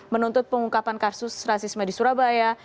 menuntut pengungkapan kasus rasisme di surabaya